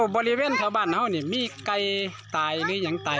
บริเวณบ้านบ่าลเอาจะมีไก่ตายเปล่า